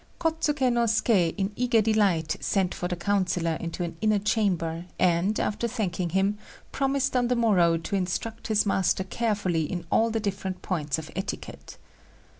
Kôtsuké no Suké in eager delight sent for the councillor into an inner chamber, and, after thanking him, promised on the morrow to instruct his master carefully in all the different points of etiquette.